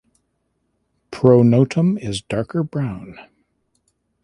Pronotum is darker brown.